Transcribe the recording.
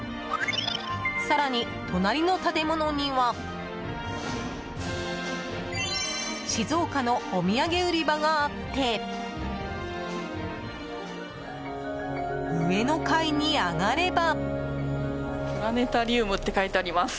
更に、隣の建物には静岡のお土産売り場があって上の階に上がれば。